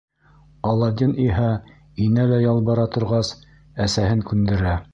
Аладдин иһә, инәлә-ялбара торғас, әсәһен күндерә.